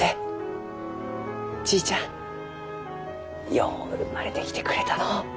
よう生まれてきてくれたのう。